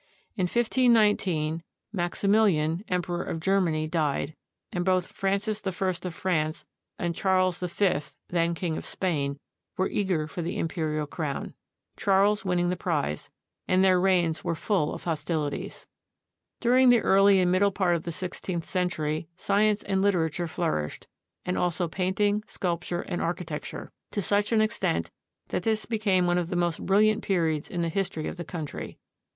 In 1 5 19, Maximilian, Emperor of Germany, died, and both Francis I of France and Charles V, then King of Spain, were eager for the imperial crown, — Charles winning the prize, — and their reigns were full of hostilities. During the early and middle part of the sixteenth century science and literature flourished, and also painting, sculpture, and architecture, to such an extent that this became one of the most brilliant periods in the history of the country.